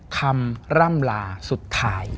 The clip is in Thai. คำร่ำลาสุดท้าย